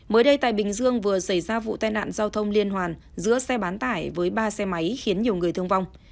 mới đây tại bình dương vừa xảy ra vụ tai nạn giao thông liên hoàn giữa xe bán tải với ba xe máy khiến nhiều người thương vong